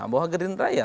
bahwa gerindra ya